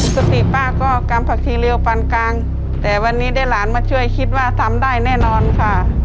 สติป้าก็กำผักทีเรียปานกลางแต่วันนี้ได้หลานมาช่วยคิดว่าทำได้แน่นอนค่ะ